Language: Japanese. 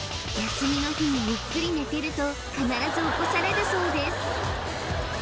休みの日にゆっくり寝てると必ず起こされるそうです